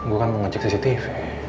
gue kan mau ngecek cctv